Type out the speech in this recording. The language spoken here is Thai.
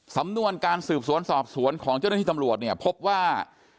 สำนวนการสืบสวนสอบสวนของเจ้าหน้าที่ตำรวจเนี่ยพบว่า